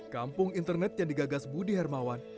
kampung internet yang digagas budi hermawan